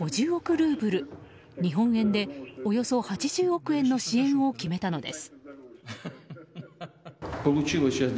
ルーブル日本円でおよそ８０億円の支援を決めたのです。